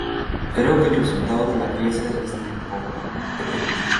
Creo que el resultado de la pieza es bastante pobre".